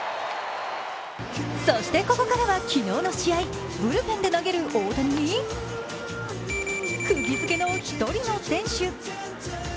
そしてここからは昨日の試合、ブルペンで投げる大谷に、釘付けの一人の選手。